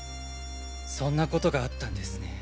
そんなことがあったんですね。